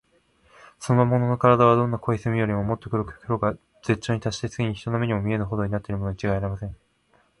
その魔物のからだは、どんな濃い墨よりも、もっと黒く、黒さが絶頂にたっして、ついに人の目にも見えぬほどになっているのにちがいありません。